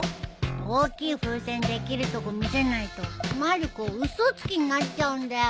大きい風船できるとこ見せないとまる子嘘つきになっちゃうんだよ。